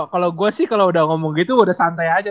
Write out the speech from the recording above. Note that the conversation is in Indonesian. kalau gue sih kalau udah ngomong gitu udah santai aja